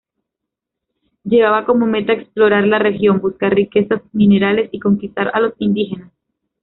Llevaba como meta explorar la región, buscar riquezas minerales y conquistar a los indígenas.